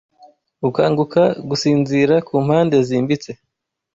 Ukanguka gusinzira Ku mpande zimbitse